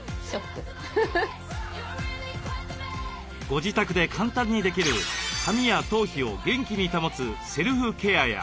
ご自宅で簡単にできる髪や頭皮を元気に保つセルフケアや。